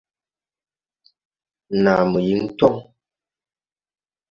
Naa mo yíŋ tɔŋ.